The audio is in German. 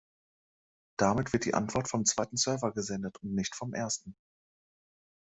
Damit wird die Antwort vom zweiten Server gesendet und nicht vom ersten.